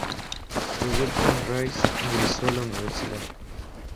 De vuelta en Rize ingresó a la universidad.